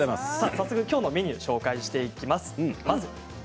早速きょうのメニューを紹介していきます。